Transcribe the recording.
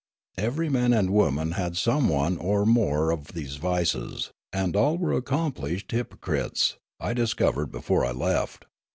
Every man and woman had some one or more of these vices ; and all were accomplished h5'pocrites, I discovered before I left.